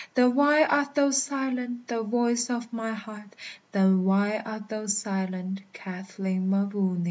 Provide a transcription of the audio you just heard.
Then why art thou silent, thou voice of my heart? Then why art thou silent, Kathleen Mavourneen?